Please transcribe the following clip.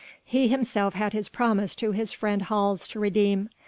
He himself had his promise to his friend Hals to redeem